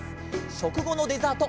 しょくごのデザート